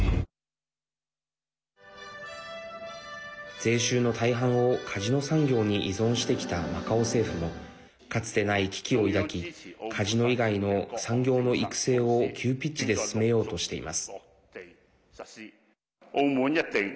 税収の大半をカジノ産業に依存してきたマカオ政府もかつてない危機を抱きカジノ以外の産業の育成を急ピッチで進めようとしています。